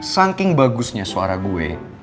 saking bagusnya suara gue